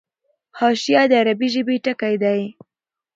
حاشیه د عربي ژبي ټکی دﺉ.